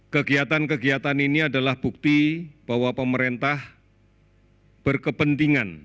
kegiatan kegiatan ini adalah bukti bahwa pemerintah berkepentingan